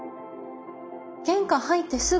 玄関入ってすぐ。